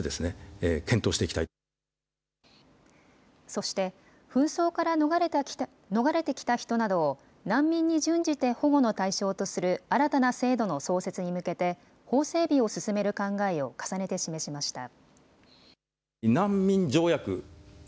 そして、紛争から逃れてきた人などを難民に準じて保護の対象とする新たな制度の創設に向けて法整備を進める考えを重ねて示しました。